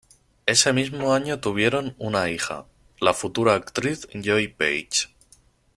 Ese mismo año tuvieron una hija, la futura actriz Joy Page.